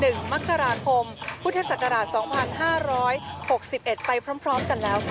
ถึงมักราคมพุทธศักราช๒๕๖๑ไปพร้อมกันแล้วค่ะ